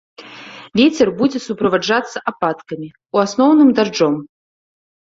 Вецер будзе суправаджацца ападкамі, у асноўным дажджом.